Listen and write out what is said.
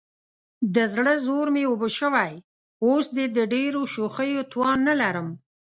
د زړه زور مې اوبه شوی، اوس دې د ډېرو شوخیو توان نه لرم.